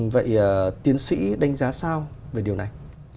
vậy tiến sĩ đánh giá sao về điều này